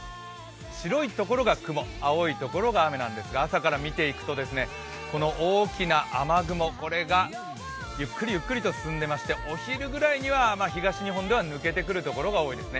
白い所が雲、青い所が雨なんですが朝から見ていくと大きな雨雲、これがゆっくりと進んでいまして、お昼ぐらいには東日本では抜けてくるところが多くなりそうです。